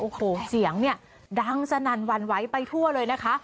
โอ้โหเสียงเนี่ยดังสนั่นหวั่นไหวไปทั่วเลยนะคะ